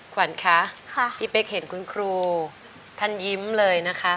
ขวัญคะพี่เป๊กเห็นคุณครูท่านยิ้มเลยนะคะ